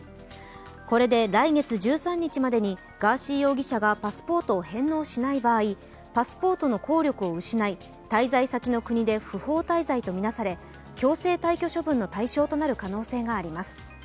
これで来月１３日までにガーシー容疑者がパスポートを返納しない場合、パスポートの効力を失い滞在先の国で不法滞在とみなされ強制退去処分の対象となる可能性があります。